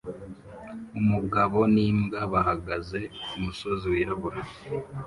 Umugabo n'imbwa bahagaze kumusozi wirabura